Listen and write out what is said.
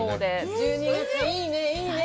１２月、いいねえ、いいねえ！